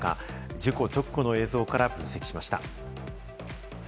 事故直後の映像から分析しました。